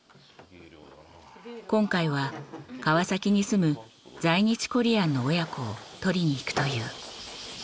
今回は川崎に住む在日コリアンの親子を撮りに行くという。